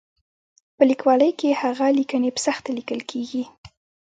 په لیکوالۍ کې هغه لیکنې په سخته لیکل کېږي.